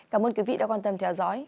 cảm ơn quý vị đã quan tâm theo dõi